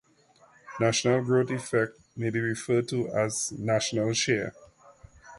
National growth effect may be referred to as "national share".